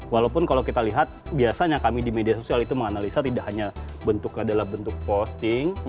walaupun kalau kita lihat biasanya kami di media sosial itu menganalisa tidak hanya bentuk adalah bentuk posting